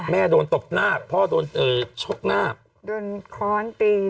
แม่โดนตบหน้าพ่อโดนเอ่อชกหน้าโดนค้อนตี